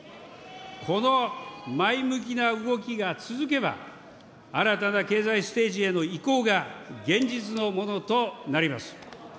この前向きな動きが続けば、新たな経済ステージへの移行が現実のものとなります。